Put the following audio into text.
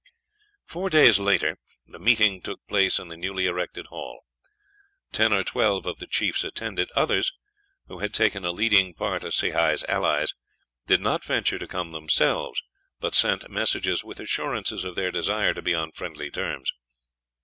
Four days later, the meeting took place in the newly erected hall. Ten or twelve of the chiefs attended; others, who had taken a leading part as Sehi's allies, did not venture to come themselves, but sent messages with assurances of their desire to be on friendly terms.